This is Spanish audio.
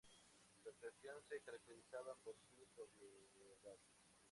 Sus actuaciones se caracterizaban por su sobriedad.